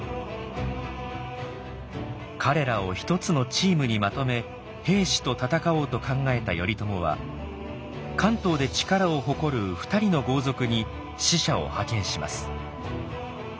彼らを一つのチームにまとめ平氏と戦おうと考えた頼朝は関東で力を誇る２人の豪族に使者を派遣します。